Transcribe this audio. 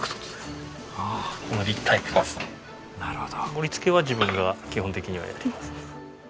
盛り付けは自分が基本的にはやります。